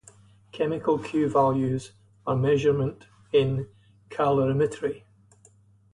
Chemical "Q" values are measurement in calorimetry.